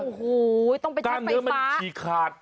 อู้หูยต้องไปช้ำไฟฟ้ายากาเนื้อมันชี้ขาด